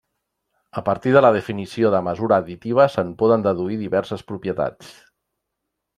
A partir de la definició de mesura additiva se'n poden deduir diverses propietats.